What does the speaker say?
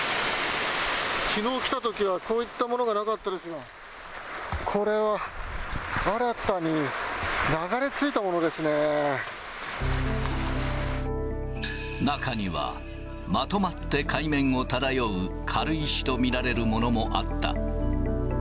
きのう来たときは、こういったものはなかったですが、これは、中には、まとまって海面を漂う軽石と見られるものもあった。